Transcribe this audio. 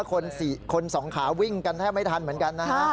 คนสองขาวิ่งกันแทบไม่ทันเหมือนกันนะฮะ